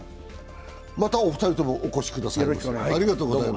また、お二人ともお越しください。